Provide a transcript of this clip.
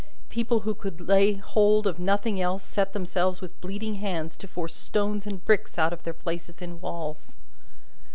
People who could lay hold of nothing else, set themselves with bleeding hands to force stones and bricks out of their places in walls.